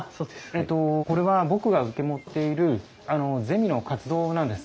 えっとこれは僕が受け持っているゼミの活動なんです。